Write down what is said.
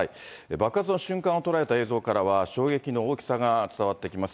爆発の瞬間を捉えた映像からは、衝撃の大きさが伝わってきます。